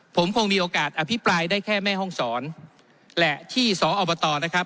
ผมคงมีโอกาสอภิปรายได้แค่แม่ห้องศรและที่สอบตนะครับ